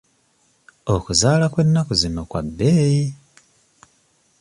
Okuzaala kw'ennaku zino kwa bbeeyi.